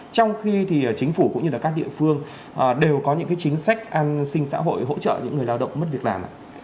trong khi thì chính phủ cũng như các địa phương đều có những chính sách an sinh xã hội hỗ trợ những người lao động mất việc làm